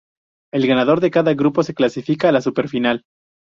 El ganador de cada grupo se clasifica a la Super Final.